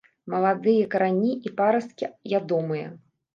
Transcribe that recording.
Маладыя карані і парасткі ядомыя.